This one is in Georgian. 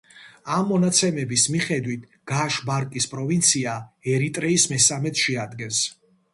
ამ მონაცემების მიხედვით გაშ-ბარკის პროვინცია ერიტრეის მესამედს შეადგენს.